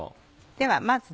ではまず。